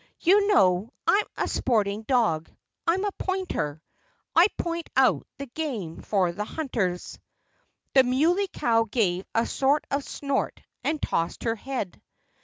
You know I'm a sporting dog. I'm a pointer. I point out the game for the hunters." The Muley Cow gave a sort of snort and tossed her head.